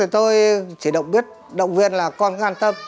tôi biết động viên là con cứ an tâm